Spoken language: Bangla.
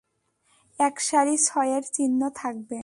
একসারি ছয়ের চিহ্ন থাকবে।